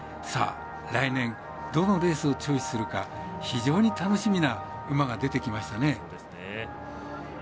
来年どのレースをチョイスするか非常に楽しみな馬が出てきましたね。